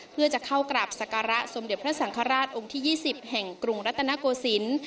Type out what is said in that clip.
เพื่อจะเข้ากราบสการะสมเด็จพระสังฆราชองค์ที่๒๐แห่งกรุงรัตนโกศิลป์